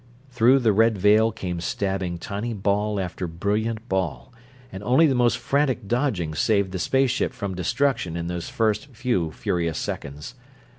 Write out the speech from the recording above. Through the red veil came stabbing tiny ball after brilliant ball, and only the most frantic dodging saved the space ship from destruction in those first few furious seconds.